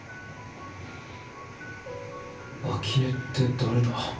秋音って誰だ？